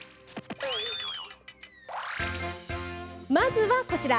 まずは、こちら。